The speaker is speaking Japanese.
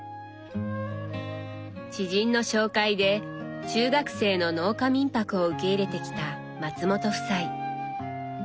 知人の紹介で中学生の農家民泊を受け入れてきた松本夫妻。